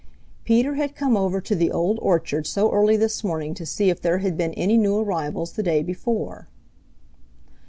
Peter had come over to the Old Orchard so early this morning to see if there had been any new arrivals the day before.